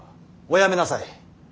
おやめなさい。